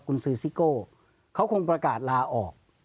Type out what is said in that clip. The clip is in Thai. คุณซื้อซิโก้เขาคงประกาศลาออก